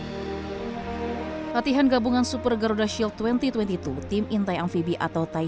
hai hati hati han gabungan super garuda shield dua ribu dua puluh dua tim intai amphibie atau thai